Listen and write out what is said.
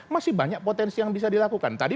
masih banyak potensi yang bisa dilakukan tadi